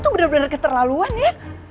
itu bener bener keterlaluan ya